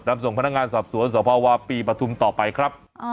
ส่งพนักงานสอบสวนสภาวะปีปฐุมต่อไปครับ